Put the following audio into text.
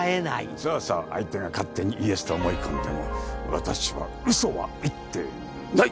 そうそう相手が勝手にイエスと思い込んでも私はうそは言ってない！